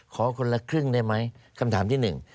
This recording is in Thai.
ขอคนละครึ่งได้ไหมคำถามที่หนึ่ง